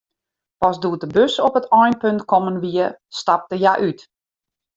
Pas doe't de bus op it einpunt kommen wie, stapte hja út.